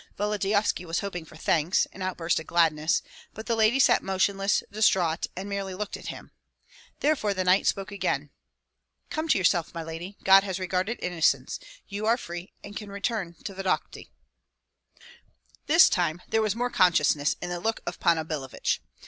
Volodyovski was hoping for thanks, an outburst of gladness; but the lady sat motionless, distraught, and merely looked at him. Therefore the knight spoke again, "Come to yourself, my lady! God has regarded innocence, you are free, and can return to Vodokty." This time there was more consciousness in the look of Panna Billevich.